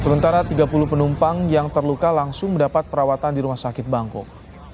sementara tiga puluh penumpang yang terluka langsung mendapat perawatan di rumah sakit bangkok